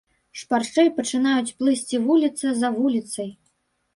Шпарчэй пачынаюць плысці вуліца за вуліцай.